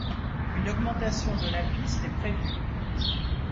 Une augmentation de de la piste est prévue.